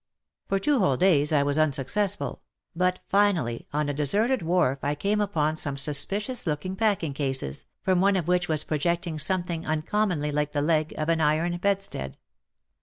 For two whole days I was unsuccessful, but finally on a deserted wharf I came upon some suspicious looking packing cases, from one of which was projecting something uncommonly like the leg of an iron bedstead.